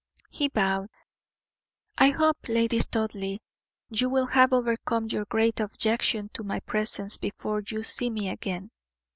He bowed. "I hope, Lady Studleigh, you will have overcome your great objection to my presence before you see me again.